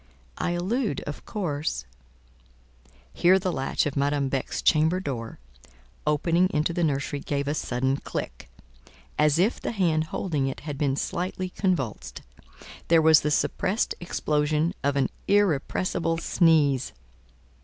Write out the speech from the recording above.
I allude, of course—" Here the latch of Madame Beck's chamber door (opening into the nursery) gave a sudden click, as if the hand holding it had been slightly convulsed; there was the suppressed explosion of an irrepressible sneeze.